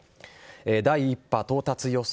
第１波到達予想